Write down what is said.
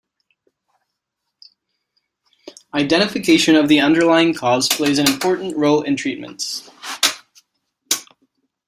Identification of the underlying cause plays an important role in treatment.